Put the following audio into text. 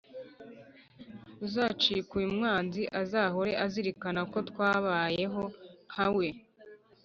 Uzacika uyu mwanzi Azahore azirikana ko Twabayeho nkamwe